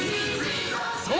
そう！